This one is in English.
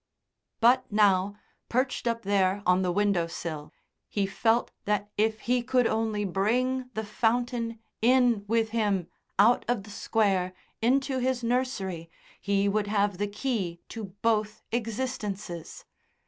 But now, perched up there on the window sill, he felt that if he could only bring the fountain in with him out of the Square into his nursery, he would have the key to both existences.